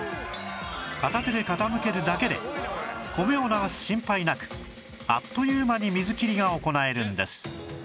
片手で傾けるだけで米を流す心配なくあっという間に水切りが行えるんです